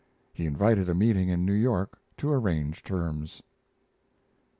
He invited a meeting in New York to arrange terms.